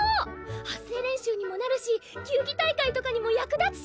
発声練習にもなるし球技大会とかにも役立つし。